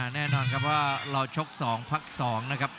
แน่นอนครับว่าเราชก๒พัก๒นะครับ